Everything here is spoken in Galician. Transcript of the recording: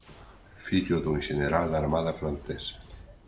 Fillo dun xeneral da armada francesa.